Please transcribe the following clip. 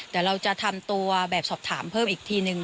เดี๋ยวเราจะทำตัวแบบสอบถามเพิ่มอีกทีนึง